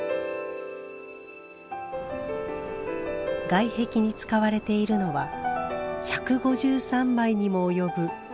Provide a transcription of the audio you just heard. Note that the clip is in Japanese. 外壁に使われているのは１５３枚にも及ぶ巨大な手すき和紙。